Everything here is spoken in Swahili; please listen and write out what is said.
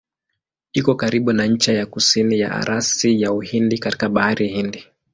Iko karibu na ncha ya kusini ya rasi ya Uhindi katika Bahari Hindi.